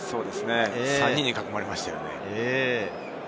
３人に囲まれましたね。